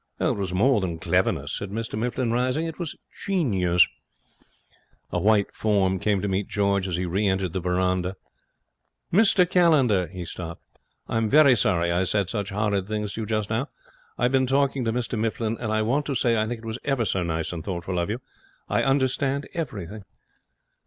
'It was more than cleverness,' said Mr Mifflin, rising. 'It was genius.' A white form came to meet George as he re entered the veranda. 'Mr Callender!' He stopped. 'I'm very sorry I said such horrid things to you just now. I have been talking to Mr Mifflin, and I want to say I think it was ever so nice and thoughtful of you. I understand everything.'